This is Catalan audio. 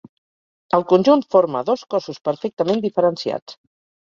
El conjunt forma dos cossos perfectament diferenciats.